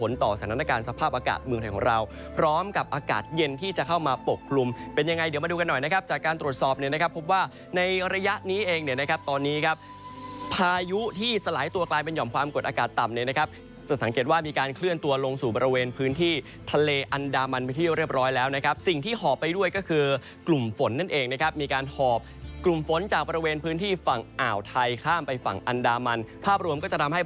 และนี้เองเนี่ยนะครับตอนนี้ครับพายุที่สลายตัวกลายเป็นหย่อมความกดอากาศต่ำเนี่ยนะครับจะสังเกตว่ามีการเคลื่อนตัวลงสู่บริเวณพื้นที่ทะเลอันดามันไปที่เรียบร้อยแล้วนะครับสิ่งที่หอบไปด้วยก็คือกลุ่มฝนนั่นเองนะครับมีการหอบกลุ่มฝนจากบริเวณพื้นที่ฝั่งอ่าวไทยข้ามไปฝั่งอันดามันภาพรวม